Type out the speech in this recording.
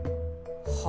は？